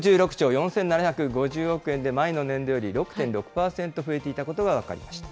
５１６兆４７５０億円で、前の年度より６．６％増えていたことが分かりました。